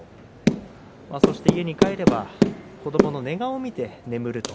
家に帰れば子どもの寝顔を見て眠ると。